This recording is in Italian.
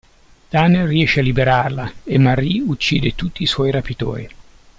Daniel riesce a liberarla e Marie uccide tutti i suoi rapitori.